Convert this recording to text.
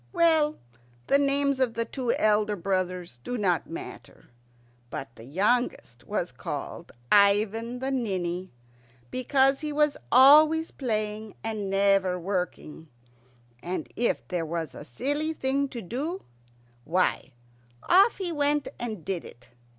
Well, the names of the two elder brothers do not matter, but the youngest was called Ivan the Ninny, because he was always playing and never working; and if there was a silly thing to do, why, off he went and did it.